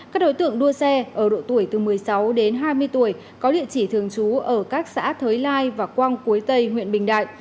các đối tượng đua xe ở độ tuổi từ một mươi sáu đến hai mươi tuổi có địa chỉ thường trú ở các xã thới lai và quang cuối tây huyện bình đại